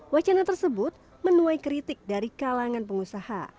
wacana tersebut menuai kritik dari kalangan pengusaha